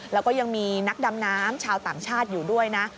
แล้วก็ยังมีนักดำน้ำชาวต่างชาติอยู่ด้วยนะ